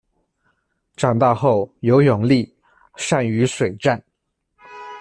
长大后，有勇力，善于水战。